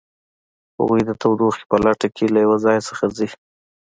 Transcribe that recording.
هغوی د تودوخې په لټه کې له یو ځای څخه ځي